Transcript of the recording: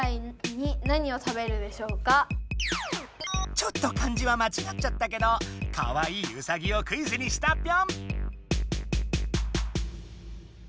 ちょっと漢字はまちがっちゃったけどかわいいウサギをクイズにしたピョン。